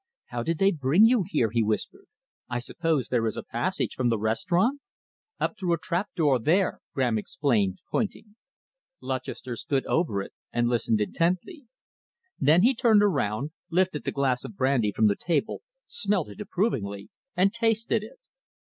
"How did they bring you here?" he whispered. "I suppose there is a passage from the restaurant?" "Up through a trapdoor there," Graham explained, pointing. Lutchester stood over it and listened intently. Then he turned around, lifted the glass of brandy from the table, smelt it approvingly, and tasted it.